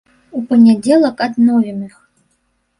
У панядзелак адновім іх.